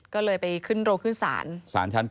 ก็เลยไปขึ้นโรคขึ้นศาล